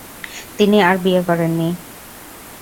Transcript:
তিনি আর বিয়ে করেননি।